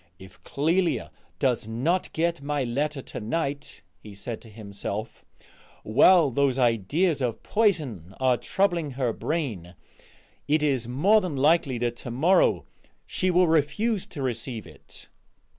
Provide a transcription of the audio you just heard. "If Clélia does not get my letter to night," he said to himself, "while those ideas of poison are troubling her brain, it is more than likely that to morrow she will refuse to receive it."